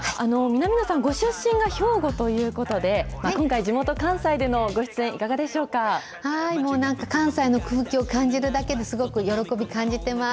南野さん、ご出身が兵庫ということで、今回、地元関西でのごもうなんか関西の空気を感じるだけですごく喜び感じてます。